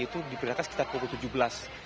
itu diperlakukan sekitar kebetulan